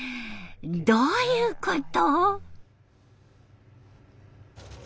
どういうこと？